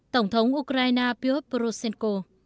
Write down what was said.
tổng thống ukraine piotr poroshenko